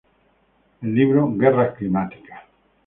El libro ‘’Guerras climáticas.